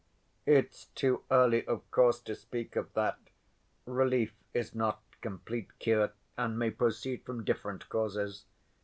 "It's too early, of course, to speak of that. Relief is not complete cure, and may proceed from different causes.